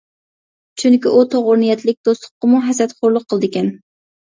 چۈنكى ئۇ توغرا نىيەتلىك دوستلۇققىمۇ ھەسەتخورلۇق قىلىدىكەن.